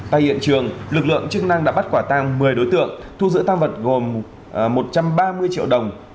tại hiện trường lực lượng chức năng đã bắt quả tang một mươi đối tượng thu giữ tăng vật gồm một trăm ba mươi triệu đồng